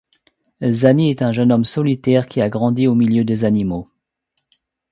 Zani est un jeune homme solitaire qui a grandi au milieu des animaux.